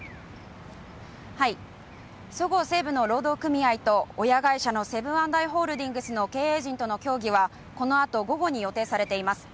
そごう・西武の労働組合と親会社のセブン＆アイ・ホールディングスの経営陣との協議はこのあと午後に予定されています